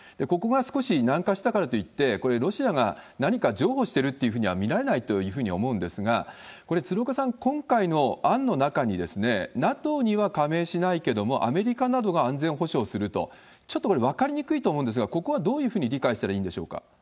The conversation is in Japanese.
ここが少し軟化したからといって、これ、ロシアが何か譲歩しているというふうには見られないというふうに思うんですが、これ、鶴岡さん、今回の案の中にＮＡＴＯには加盟しないけれども、アメリカなどが安全保障すると、ちょっとこれ、分かりにくいと思うんですが、ここはどういうふうに理解したらい